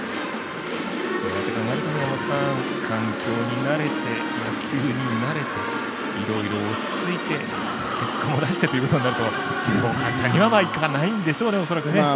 そうやって考えると宮本さん、環境に慣れて野球に慣れていろいろ落ち着いて結果も出してということになるとそう簡単にはいかないんでしょうね、恐らくね。